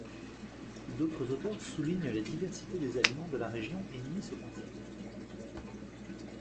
D'autres auteurs soulignent la diversité des aliments de la région et nient ce concept.